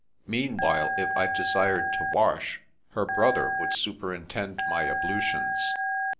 Meanwhile, if I desired to wash, her brother would superintend my ablutions.